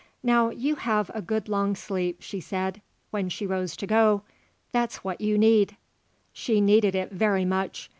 "Now you have a good long sleep," she said, when she rose to go. "That's what you need." She needed it very much.